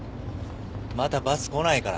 まだバス来ないから。